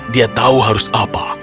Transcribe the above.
dia tahu harus apa